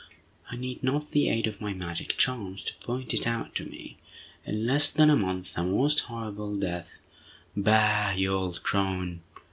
I need not the aid of my magic charms to point it out to me. In less than a month, the most horrible death—" "Bah, you old crone!